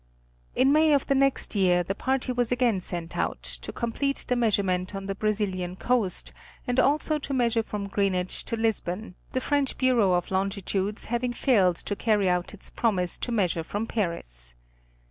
In May of the next year, the party was again sent out, to complete the measurement on the Brazilian Coast, and also to measure from Greenwich to Lisbon, the French Bureau of Longitudes having failed to carry out its promise to measure from Paris.